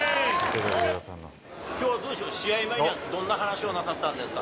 きょうはどうでしょう、試合前には、どんな話をなさったんですか？